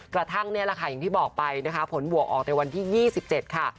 กระทั่งนี่แหละค่ะอย่างที่บอกไปนะคะผลบวกออกในวันที่๒๗ค่ะ